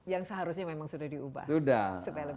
yang seharusnya memang sudah diubah